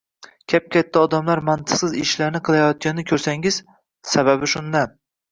Kap-katta odamlar mantiqsiz ishlarni qilayotganini ko‘rsangiz, sababi shundan.